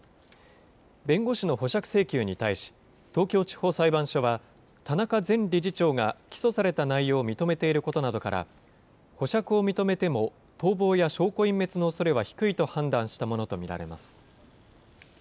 弁護士の保釈請求に対し、東京地方裁判所は、田中前理事長が起訴された内容を認めていることなどから、保釈を認めても逃亡や証拠隠滅のおそれは低いと判断したものと見られます。